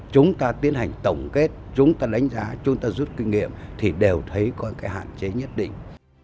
chúng ta tiến hành tổng kết chúng ta đánh giá chúng ta rút kinh nghiệm thì đều thấy có cái hạn chế nhất định